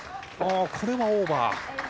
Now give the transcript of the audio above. これはオーバー。